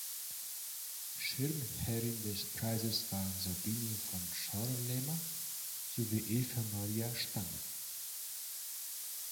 Schirmherrin des Preises waren Sabine von Schorlemer sowie Eva-Maria Stange.